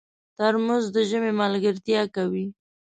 ترموز د ژمي ملګرتیا کوي.